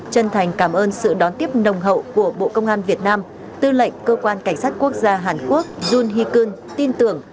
chân thành cảm ơn sự đón tiếp nồng hậu của bộ công an việt nam tư lệnh cơ quan cảnh sát quốc gia hàn quốc jun hikun tin tưởng